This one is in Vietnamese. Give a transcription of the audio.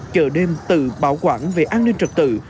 chợ đêm tự bảo quản về an ninh trật tự